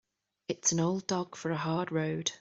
It's an old dog for a hard road.